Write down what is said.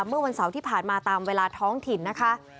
เมื่อวันเสาร์ที่ผ่านมาตามเวลาท้องถิ่นนะคะ